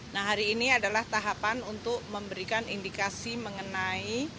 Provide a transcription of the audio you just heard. nah hari ini adalah tahapan untuk memberikan indikasi mengenai